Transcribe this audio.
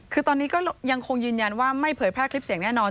คือตอนนี้ก็ยังคงยืนยันว่าไม่เผยแพร่คลิปเสียงแน่นอน